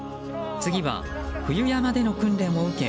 次は冬山での訓練を受け